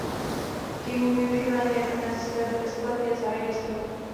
K jejímu využívání je nutné se bezplatně zaregistrovat.